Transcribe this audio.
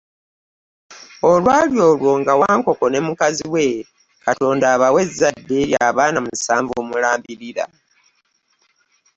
Olwali olwo, nga Wankoko ne mukazi Katonda abawa ezzadde lya baana musanvu mulambirira.